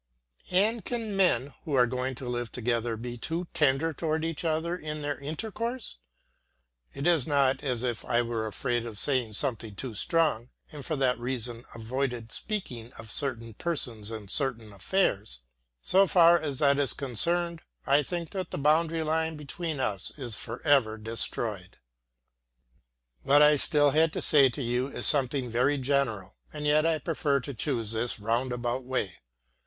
And can men who are going to live together be too tender toward each other in their intercourse? It is not as if I were afraid of saying something too strong, and for that reason avoided speaking of certain persons and certain affairs. So far as that is concerned, I think that the boundary line between us is forever destroyed. What I still had to say to you is something very general, and yet I prefer to choose this roundabout way.